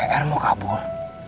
er mau kabur